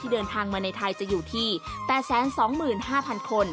เดินทางมาในไทยจะอยู่ที่๘๒๕๐๐คน